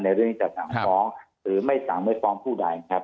เรื่องที่จะสั่งฟ้องหรือไม่สั่งไม่ฟ้องผู้ใดครับ